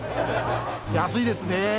安いですね。